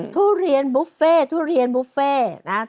ทุเรียนบุฟเฟ่ทุเรียนบุฟเฟ่นะครับ